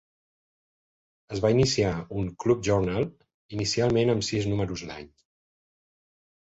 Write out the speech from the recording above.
Es va iniciar un Club Journal, inicialment amb sis números l'any.